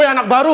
woy anak baru